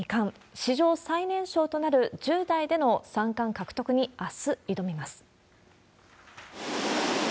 史上最年少となる１０代での三冠獲得に、あす、挑みます。